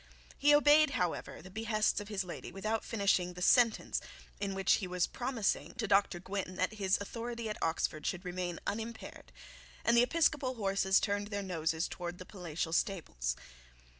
He obeyed, however, the behests of the lady without finishing the sentence in which he was promising to Dr Gwynne that his authority at Oxford should remain unimpaired; and the episcopal horses turned their noses towards the palatial stables.